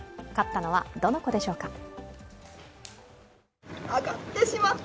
勝ったのはどの子でしょうか。